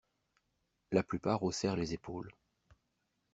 La plupart haussèrent les épaules.